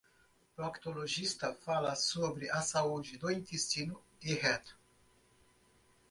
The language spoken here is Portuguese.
Proctologista fala sobre a saúde do intestino e reto